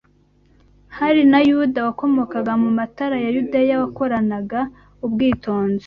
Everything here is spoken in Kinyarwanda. hari na Yuda wakomokaga mu ntara ya Yudeya wakoranaga ubwitonzi